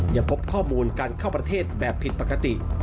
ยังพบข้อมูลการเข้าประเทศแบบผิดปกติ